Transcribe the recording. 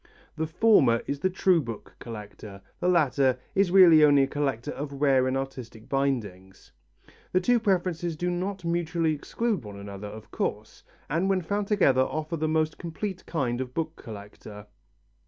The former is the true book collector, the latter is really only a collector of rare and artistic bindings. The two preferences do not mutually exclude one another, of course, and when found together offer the most complete kind of book collector.